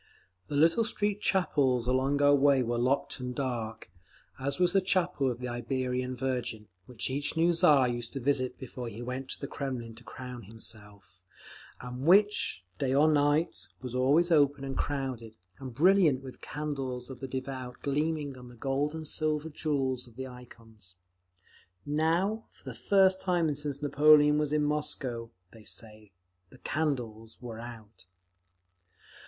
The little street chapels along our way were locked and dark, as was the Chapel of the Iberian Virgin, which each new Tsar used to visit before he went to the Kremlin to crown himself, and which, day or night, was always open and crowded, and brilliant with the candles of the devout gleaming on the gold and silver and jewels of the ikons. Now, for the first time since Napoleon was in Moscow, they say, the candles were out.